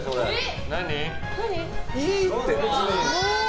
いいって別に。